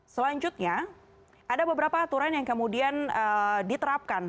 selanjutnya ada beberapa aturan yang kemudian diterapkan